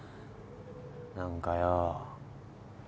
何かよ。